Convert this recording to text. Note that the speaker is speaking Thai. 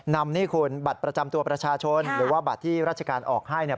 นำบัตรประจำตัวประชาชนหรือว่าบัตรที่ราชการออกให้